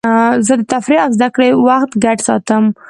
زه د تفریح او زدهکړې وخت ګډ ساتم.